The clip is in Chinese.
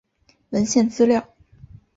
文献资料